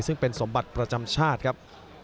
ซึ่งเป็นสมบัติประจำชาติครับ